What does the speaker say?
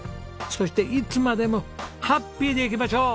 そしていつまでもハッピーでいきましょう！